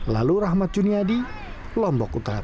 lalu rahmat juniadi lombok utara